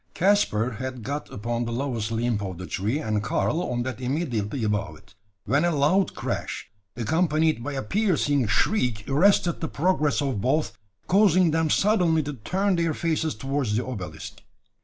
Caspar had got upon the lowest limb of the tree, and Karl on that immediately above it, when a loud crash, accompanied by a piercing shriek, arrested the progress of both, causing them suddenly to turn their faces towards the obelisk.